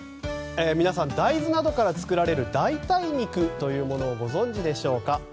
皆さん大豆などから作られる代替肉というものをご存じでしょうか？